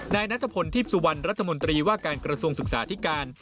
นายนัทพลทีพสุวรรณรัฐมนตรีว่าการกระทรวงศึกษาที่การ